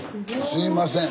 すいません。